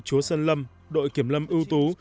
chúa sơn lâm đội kiểm lâm ưu tú